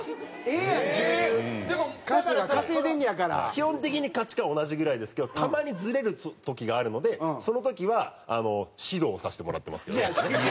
基本的に価値観同じぐらいですけどたまにずれる時があるのでその時は指導させてもらってますけどね。